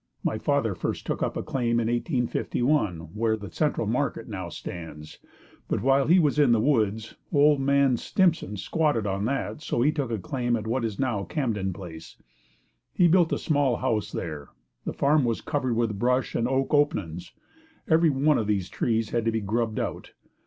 My father first took up a claim in 1851 where the Central Market now stands, but while he was in the woods, Old Man Stimson squat on that, so he took a claim at what is now Camden Place. He built a small house there. The farm was covered with brush and "oak openins". Everyone of these trees had to be grubbed out.